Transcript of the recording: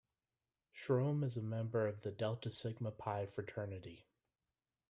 Schrom is a member of the Delta Sigma Phi fraternity.